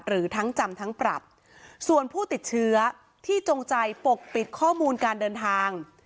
หรือทั้งจำทั้งปรับส่วนผู้ติดเชื้อที่จงใจปกปิดข้อมูลการเดินทาง